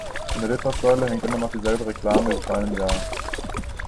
An der Litfaßsäule hängt noch immer die selbe Reklame wie vor einem Jahr.